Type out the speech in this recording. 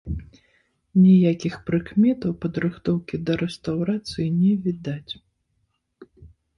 Ніякіх прыкметаў падрыхтоўкі да рэстаўрацыі не відаць.